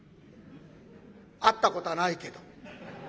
会ったことはないけど。